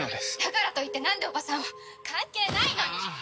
だからといってなんで叔母さんを関係ないのに！